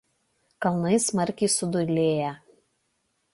Kalnai smarkiai sudūlėję.